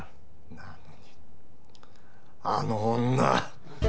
なのにあの女！